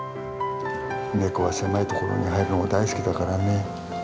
ネコは狭い所に入るのが大好きだからね。